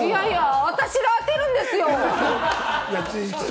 私が当てるんですよ。